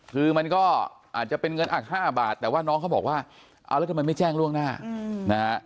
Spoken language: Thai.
คือมันก็อาจจะเป็นเงินอัก๕บาทแต่ว่าน้องเขาบอกว่าเอาแล้วทำไมไม่แจ้งล่วงหน้านะฮะ